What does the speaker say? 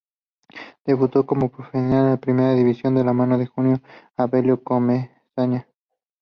Debutó como profesional en primera división de la mano de Julio Avelino Comesaña.